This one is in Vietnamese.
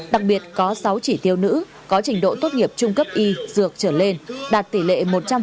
đặc biệt có sáu chỉ tiêu nữ có trình độ tốt nghiệp trung cấp y dược trở lên đạt tỷ lệ một trăm linh